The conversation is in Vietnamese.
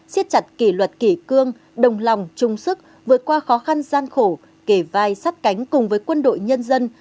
xiết chặt kỷ luật kỷ cương đồng lòng chung sức vượt qua khó khăn gian khổ kề vai sát cánh cùng với quân đội nhân dân